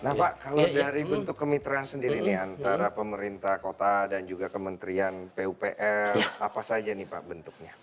nah pak kalau dari bentuk kemitraan sendiri nih antara pemerintah kota dan juga kementerian pupr apa saja nih pak bentuknya